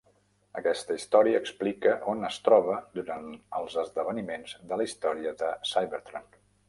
Aquesta història explica on es troba durant els esdeveniments de la història de "Cybertron".